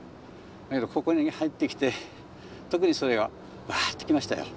だけどここに入ってきて特にそれがワッと来ましたよ。